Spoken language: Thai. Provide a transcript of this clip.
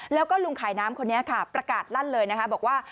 แล้วก็ลุงขายน้ำคนนี้ค่ะประกาศลั่นเลยนะคะบอกว่า